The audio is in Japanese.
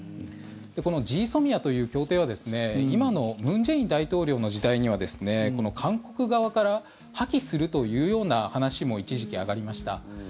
このＧＳＯＭＩＡという協定は今の文在寅大統領の時代には韓国側から破棄するというような話も一時期、上がりました。